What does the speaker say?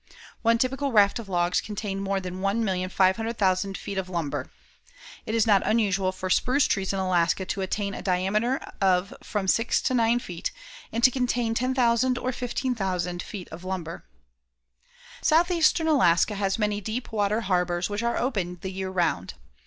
One typical raft of logs contained more than 1,500,000 feet of lumber. It is not unusual for spruce trees in Alaska to attain a diameter of from six to nine feet and to contain 10,000 or 15,000 feet of lumber. Southeastern Alaska has many deep water harbors which are open the year round.